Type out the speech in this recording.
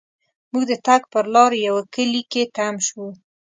مونږ د تګ پر لار یوه کلي کې تم شوو.